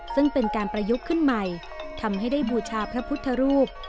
ซึ่งเป็นการประยุกต์ขึ้นใหม่ทำให้ได้บูชาพระพุทธรูป